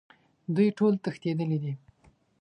دوی ټول تښتیدلي دي